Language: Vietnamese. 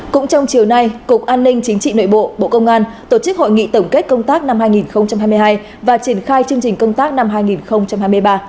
cũng trong chiều nay cục an ninh chính trị nội bộ bộ công an tổ chức hội nghị tổng kết công tác năm hai nghìn hai mươi hai và triển khai chương trình công tác năm hai nghìn hai mươi ba